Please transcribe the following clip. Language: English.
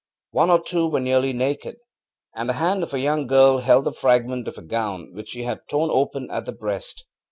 One or two were nearly naked, and the hand of a young girl held the fragment of a gown which she had torn open at the breast.